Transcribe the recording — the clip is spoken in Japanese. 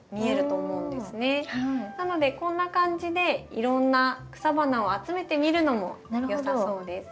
なのでこんな感じでいろんな草花を集めてみるのもよさそうです。